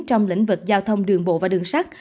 trong lĩnh vực giao thông đường bộ và đường sắt